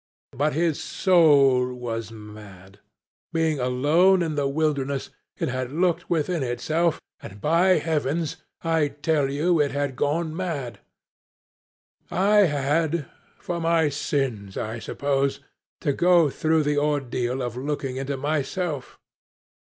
But his soul was mad. Being alone in the wilderness, it had looked within itself, and, by heavens! I tell you, it had gone mad. I had for my sins, I suppose to go through the ordeal of looking into it myself.